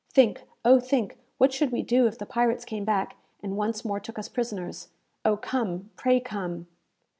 Think, Oh think! what should we do if the pirates came back, and once more took us prisoners? Oh come, pray come!"